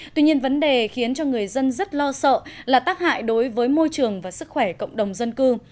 tuy nhiên vấn đề khiến cho người dân rất lo sợ là tác hại đối với môi trường và sức khỏe cộng đồng dân cư